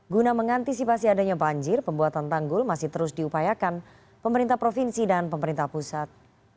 guna mengantisipasi adanya banjir pembuatan tanggul masih terus diupayakan pemerintah provinsi dan pemerintah pusat